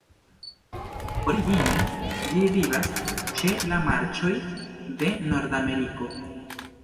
Origine ĝi vivas ĉe la marĉoj de Nordameriko.